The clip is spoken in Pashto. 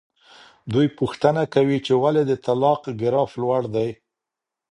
دوی پوښتنه کوي چې ولې د طلاق ګراف لوړ دی.